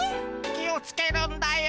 気をつけるんだよ。